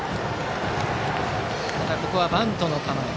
ここはバントの構え。